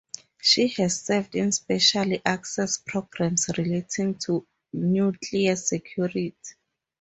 She has served in special access programs relating to nuclear security.